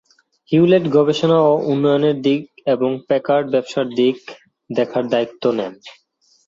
Hewlett গবেষণা ও উন্নয়নের দিক এবং প্যাকার্ড ব্যবসার দিক দেখার দায়িত্ব নেন।